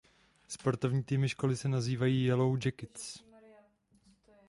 Sportovní týmy školy se nazývají "Yellow Jackets".